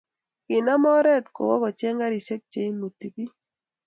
Kinam oret kowo kocheng garisiek che imuti bik